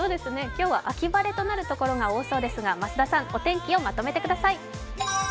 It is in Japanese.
今日は秋晴れとなる所が多そうですが、増田さん、お天気をまとめてください。